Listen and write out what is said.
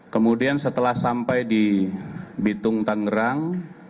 kemudian setelah sampai di bitung tangerang